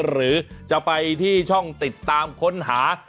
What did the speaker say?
หรือจะไปที่ช่องติดตามค้นหา